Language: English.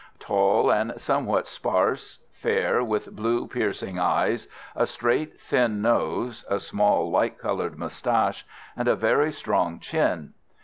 Tall, and somewhat sparse, fair, with blue piercing eyes, a straight thin nose, a small light coloured moustache, and a very strong chin.